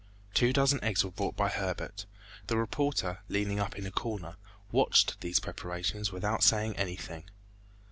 Two dozen eggs were brought by Herbert. The reporter leaning up in a corner, watched these preparations without saying anything.